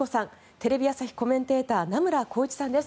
テレビ朝日コメンテーター名村晃一さんです。